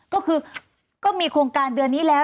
ก็คือก็มีโครงการเดือนนี้แล้ว